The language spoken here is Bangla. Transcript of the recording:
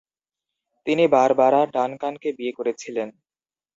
তিনি বারবারা ডানকানকে বিয়ে করেছিলেন।